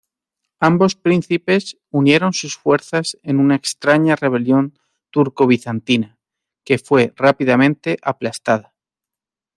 Ambos príncipes unieron sus fuerzas en una extraña rebelión turco-bizantina, que fue rápidamente aplastada.